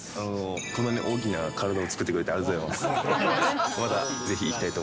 こんなに大きな体を作ってくれてありがとうございます、本当。